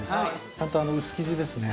ちゃんと薄生地ですね。